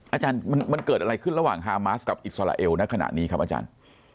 อาจารย์มันเกิดอะไรขึ้นระหว่างฮามาสกับอิสราเอลณขณะนี้ครับอาจารย์